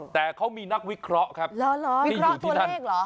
แต่เขามีนักวิเคราะห์ครับวิเคราะห์ตัวเลขเหรอ